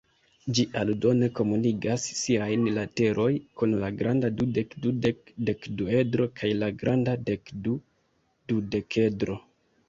Ĝi aldone komunigas siajn lateroj kun la granda dudek-dudek-dekduedro kaj la granda dekdu-dudekedro.